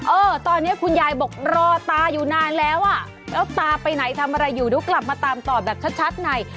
เออตอนนี้คุณยายบอกรอตาอยู่นานแล้วอ่ะแล้วตาไปไหนทำอะไรอยู่เดี๋ยวกลับมาตามต่อแบบชัดใน